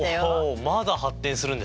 まだ発展するんですね。